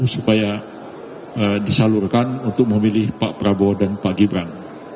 supaya disalurkan untuk memilih pak prabowo dan pak gibran